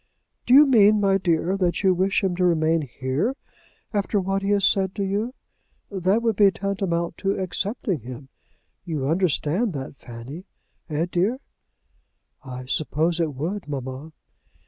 "Do you mean, my dear, that you wish him to remain here after what he has said to you? That would be tantamount to accepting him. You understand that, Fanny; eh, dear?" "I suppose it would, mamma."